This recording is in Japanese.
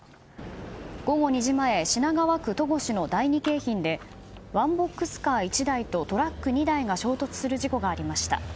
午後２時前品川区戸越の第二京浜でワンボックスカー１台とトラック２台が衝突する事故がありました。